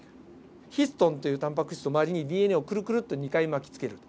ヒストンというタンパク質の周りにＤＮＡをくるくるっと２回巻きつけると。